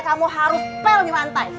kamu harus pel di lantai